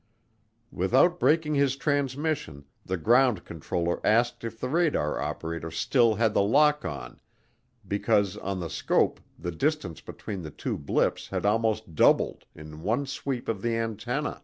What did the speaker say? Without breaking his transmission, the ground controller asked if the radar operator still had the lock on because on the scope the distance between two blips had almost doubled in one sweep of the antenna.